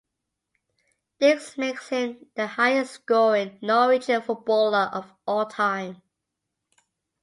This makes him the highest-scoring Norwegian footballer of all-time.